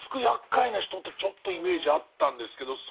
やっかいな人ってちょっとイメージあったんですけど